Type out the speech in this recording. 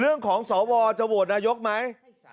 เรื่องของสวจะโหวตนายกไหม